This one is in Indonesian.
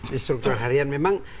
di struktur harian memang